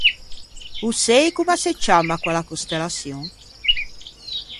Ô sei comm’a se ciamma quella costellaçion?